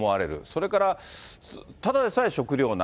それからただでさえ食料難。